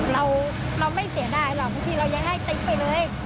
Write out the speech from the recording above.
เราไม่เสียดายหรอกบางทีเรายังให้ติ๊กไปเลย